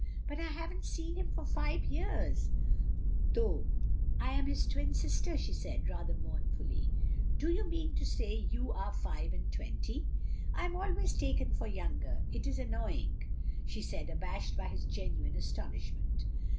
" But I have n't seen him for five years, though I am his twin sister," she said, rather mourn fully. " Do you mean to say you are five and twenty?" "I am always taken for younger. It is an noying," she said, abashed by his genuine astonishment.